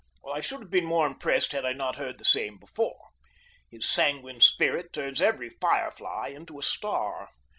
I should have been more impressed had I not heard the same before. His sanguine spirit turns every fire fly into a star.